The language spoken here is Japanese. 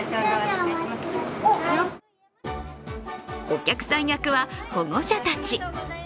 お客さん役は保護者たち。